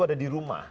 ada di rumah